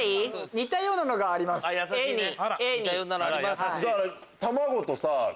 似たようなのあります。